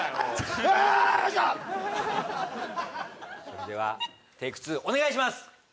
それではテイク２お願いします！